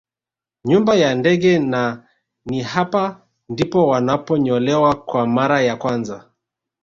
Nyumba ya ndege na ni hapa ndipo wanaponyolewa kwa mara ya kwanza